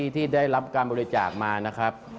ที่ได้รับการบริจากมา